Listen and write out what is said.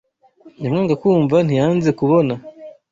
Nyamwanga kwumva ntiyanze kubona